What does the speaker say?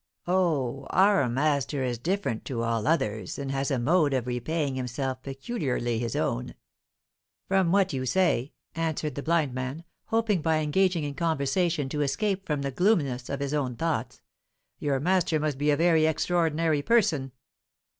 "Oh, our master is different to all others, and has a mode of repaying himself peculiarly his own." "From what you say," answered the blind man, hoping by engaging in conversation to escape from the gloominess of his own thoughts, "your master must be a very extraordinary person."